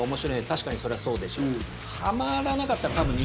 確かにそれはそうでしょう。